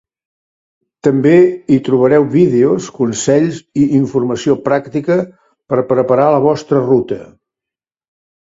També hi trobareu vídeos, consells i informació pràctica per preparar la vostra ruta.